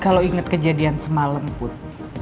kalo inget kejadian semalam put